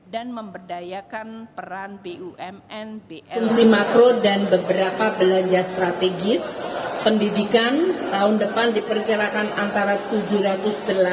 dan memberdayakan peran bumn bnp dan beberapa belanja strategis pendidikan tahun depan diperkirakan antara rp tujuh ratus delapan hingga rp satu ratus delapan triliun